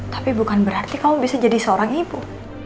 tapi bukan berarti kamu bisa jadi seorang ibu